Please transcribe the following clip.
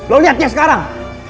lo liat dia sekarang